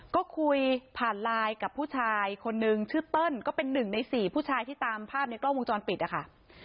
ก็คุยผ่านไลน์กับผู้ชายคนนึงชื่อเติ้ลก็เป็นหนึ่งในสี่ผู้ชายที่ตามภาพในกล้องวงจรปิดนะคะ